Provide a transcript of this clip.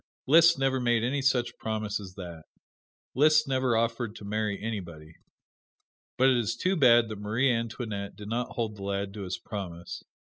Liszt never made any such promise as that. Liszt never offered to marry anybody. But it is too bad that Marie Antoinette did not hold the lad to his promise.